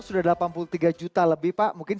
selamat malam untukthe today seukai empezarana kita